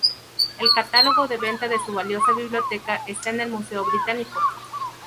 El catálogo de venta de su valiosa biblioteca esta en el Museo Británico.